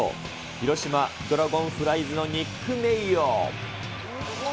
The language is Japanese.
広島ドラゴンフライズのニック・メイヨ。